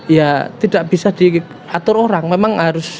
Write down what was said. ya tidak bisa diatur orang memang harus